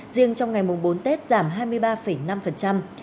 riêng trong ngày mùng bốn tết giảm hai mươi ba năm